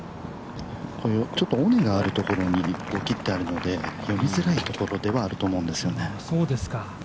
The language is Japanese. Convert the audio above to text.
ちょっと尾根があるところに切ってあるので、読みづらいところではありますよね。